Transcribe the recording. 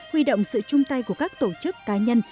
huy động sự chung tay của các tổ chức cá nhân